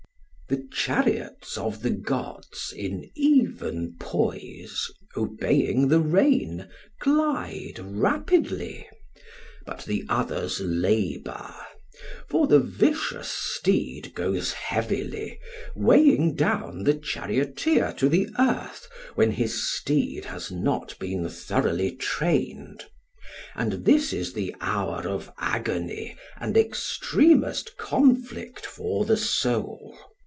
The chariots of the gods in even poise, obeying the rein, glide rapidly; but the others labour, for the vicious steed goes heavily, weighing down the charioteer to the earth when his steed has not been thoroughly trained: and this is the hour of agony and extremest conflict for the soul.